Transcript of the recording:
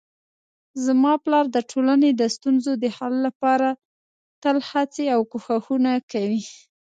زما پلار د ټولنې د ستونزو د حل لپاره تل هڅې او کوښښونه کوي